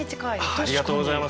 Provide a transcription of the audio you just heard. ありがとうございます。